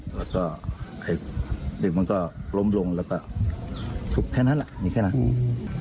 แล้วก็เด็กมันก็ล้มลงแล้วก็ฉุกแค่นั้นแหละมีแค่นั้นอืม